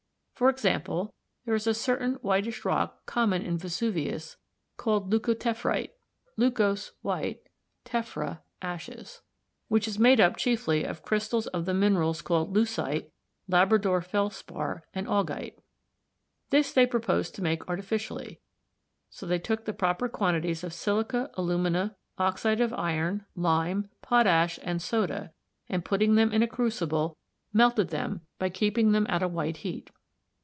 For example, there is a certain whitish rock common in Vesuvius called leucotephrite, which is made up chiefly of crystals of the minerals called leucite, Labrador felspar, and augite. This they proposed to make artificially, so they took proper quantities of silica, alumina, oxide of iron, lime, potash, and soda, and putting them in a crucible, melted them by keeping them at a white heat.